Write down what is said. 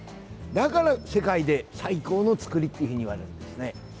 だから世界で最高のつくりっていうふうにいわれるんですね。